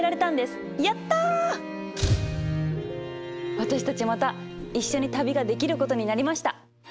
私たちまた一緒に旅ができることになりました